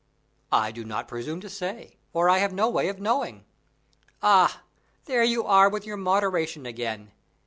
"I do not presume to say, for I have no means of knowing." "Ah, there you are with your moderation again.